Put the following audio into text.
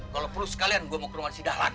kalau perlu sekalian gue mau ke rumah si dahlan